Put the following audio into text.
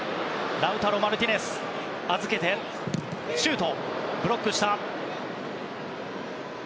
ラウタロ・マルティネスシュート。